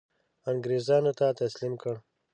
انګرېزانو ته تسلیم کړ.